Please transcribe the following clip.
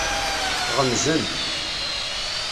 Ɣemzent.